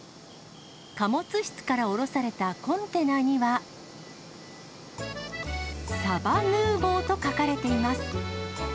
貨物室から降ろされたコンテナには、サバヌーヴォーと書かれています。